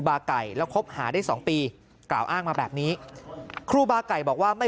บาไก่แล้วคบหาได้๒ปีกล่าวอ้างมาแบบนี้ครูบาไก่บอกว่าไม่